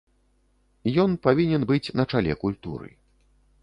Ён павінен быць на чале культуры.